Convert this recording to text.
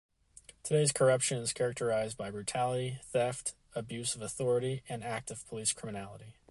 Today's corruption is characterized by brutality, theft, abuse of authority and active police criminality.